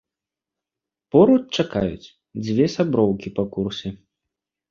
Поруч чакаюць дзве сяброўкі па курсе.